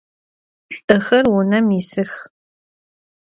Lh'ıxer vunem yisıx.